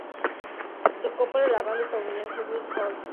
Tocó para la banda estadounidense Wild Horses.